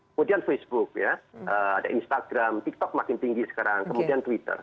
kemudian facebook ya ada instagram tiktok makin tinggi sekarang kemudian twitter